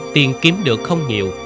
tiền kiếm được không nhiều